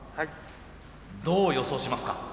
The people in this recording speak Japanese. どう予想しますか？